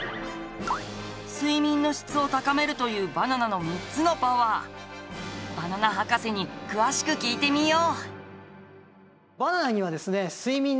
睡眠の質を高めるというバナナの３つのパワーバナナ博士に詳しく聞いてみよう。